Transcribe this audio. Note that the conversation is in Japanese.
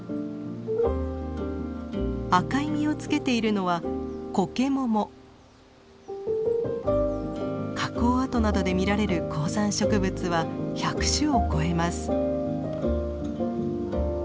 赤い実をつけているのは火口跡などで見られる高山植物は１００種を超えます。